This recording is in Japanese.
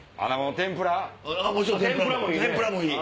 天ぷらもいい！